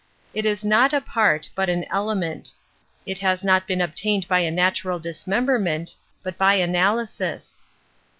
It is not a part, but an element. It has not been obtained by a natural dismemberment, but by analysis.